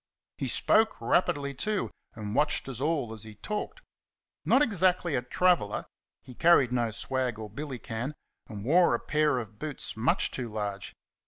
He spoke rapidly, too, and watched us all as he talked. Not exactly a "traveller;" he carried no swag or billycan, and wore a pair of boots much too large.